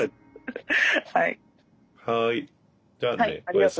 はい。